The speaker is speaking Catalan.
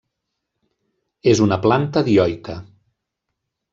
És una planta dioica.